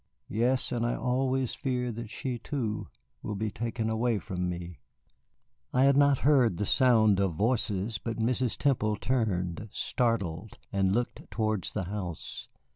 Yes, and I always fear that she, too, will be taken away from me." I had not heard the sound of voices, but Mrs. Temple turned, startled, and looked towards the house.